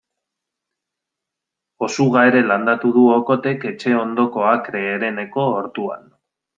Osuga ere landatu du Okothek etxe ondoko akre hereneko ortuan.